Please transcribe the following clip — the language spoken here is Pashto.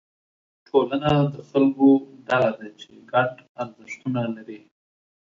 ټولنه د خلکو ډله ده چې ګډ ارزښتونه لري.